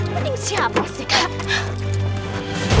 bening siapa sih kak